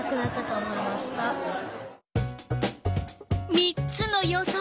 ３つの予想